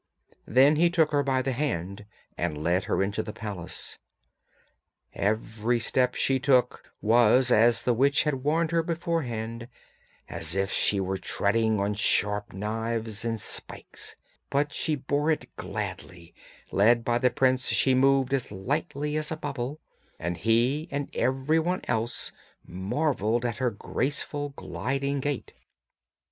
Then he took her by the hand and led her into the palace. Every step she took was, as the witch had warned her beforehand, as if she were treading on sharp knives and spikes, but she bore it gladly; led by the prince, she moved as lightly as a bubble, and he and every one else marvelled at her graceful gliding gait.